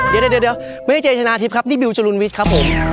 เดี๋ยวไม่ใช่เจชนะทิพย์ครับนี่บิวจรุนวิทย์ครับผม